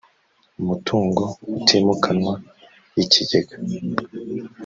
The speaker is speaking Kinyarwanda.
mutungo utimukanwa y ikigega